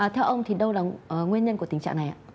theo ông thì đâu là nguyên nhân của tình trạng này ạ